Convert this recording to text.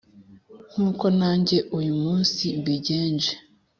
nk’uko nanjye uyu munsi mbigenje.